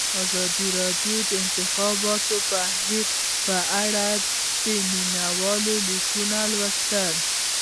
ازادي راډیو د د انتخاباتو بهیر په اړه د مینه والو لیکونه لوستي.